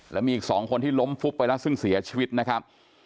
แล้วมีอีก๒คนที่ล้มฟุบไปแล้วซึ่งเสียชีวิตนะครับ